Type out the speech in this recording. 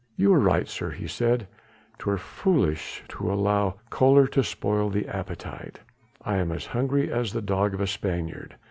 "You are right, sir," he said, "'twere foolish to allow choler to spoil the appetite. I am as hungry as the dog of a Spaniard.